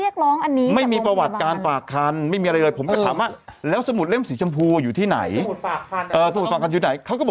เขาต้องการเรียกร้องอันนี้แต่โรงพยาบาลไม่มีประวัติการฝากคัน